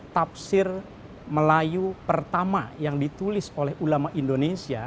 tafsir melayu pertama yang ditulis oleh ulama indonesia